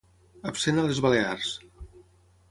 Absent a les Balears.